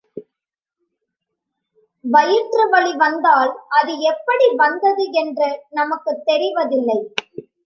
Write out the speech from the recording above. வயிற்று வலி வந்தால் அது எப்படி வந்தது என்று நமக்குத் தெரிவதில்லை.